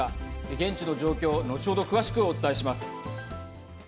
現地の状況を後ほど詳しくお伝えします。